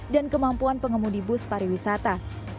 dan kemampuan pengemudi bus pariwisata